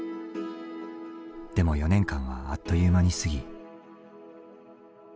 でも４年間はあっという間に過ぎ。